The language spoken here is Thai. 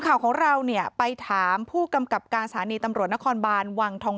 ข่าวของเราเนี่ยไปถามผู้กำกับการสถานีตำรวจนครบานวังทอง